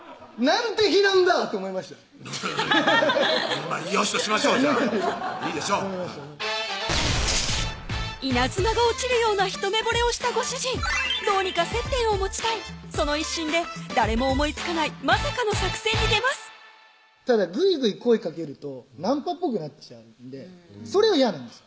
「なんて日なんだ！」と思いましたまぁよしとしましょうじゃあいいでしょう稲妻が落ちるような一目ぼれをしたご主人どうにか接点を持ちたいその一心で誰も思いつかないまさかの作戦に出ますただグイグイ声かけるとナンパっぽくなっちゃうんでそれは嫌なんです